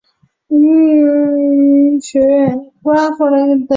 毕业于哈萨克斯坦工学院。